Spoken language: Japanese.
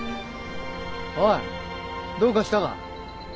おいどうかしたか？